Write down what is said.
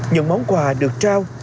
những món quà được trao